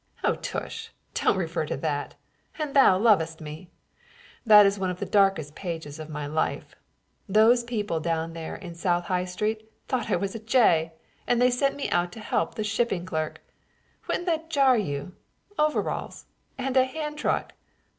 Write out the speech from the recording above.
"Oh tush! don't refer to that, an thou lovest me! That is one of the darkest pages of my life. Those people down there in South High Street thought I was a jay, and they sent me out to help the shipping clerk. Wouldn't that jar you! Overalls, and a hand truck.